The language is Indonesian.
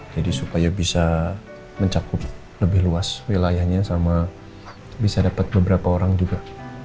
jadi supaya bisa mencakup lebih luas wilayahnya sama bisa dapat beberapa orang juga